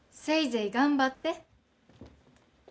せいぜい頑張って。